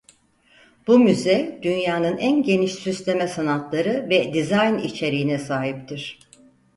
Bu müze dünyanın en geniş süsleme sanatları ve dizayn içeriğine sahiptir.